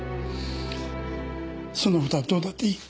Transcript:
そんなことはどうだっていい。